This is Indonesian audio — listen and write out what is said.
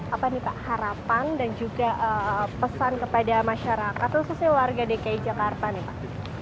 apa nih pak harapan dan juga pesan kepada masyarakat khususnya warga dki jakarta nih pak